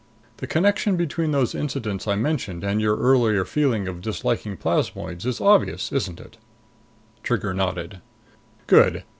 The connection between those incidents I mentioned and your earlier feeling of disliking plasmoids is obvious, isn't it?" Trigger nodded. "Good.